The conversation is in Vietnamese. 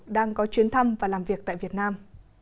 đang có chuyến thăm và làm việc tại việt nam